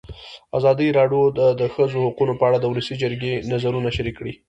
ازادي راډیو د د ښځو حقونه په اړه د ولسي جرګې نظرونه شریک کړي.